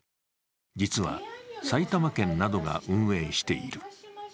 実は、埼玉県などが運営している。